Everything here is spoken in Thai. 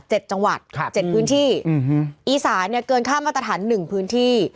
เจ็ดจังหวัดครับเจ็ดพื้นที่อืมอืมอีสานี่เกินข้ามมาตรฐานหนึ่งพื้นที่